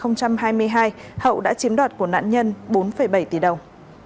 năm hai nghìn hai mươi hai hậu đã chiếm đoạt của nạn nhân bốn bảy tỷ đồng